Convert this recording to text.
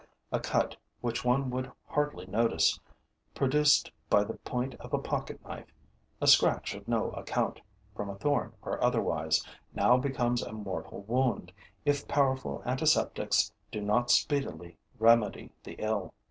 A cut which one would hardly notice, produced by the point of a pocket knife, a scratch of no account, from a thorn or otherwise, now becomes a mortal wound, if powerful antiseptics do not speedily remedy the ill.